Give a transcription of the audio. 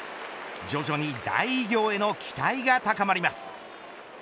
徐々に大偉業への期待が高まります。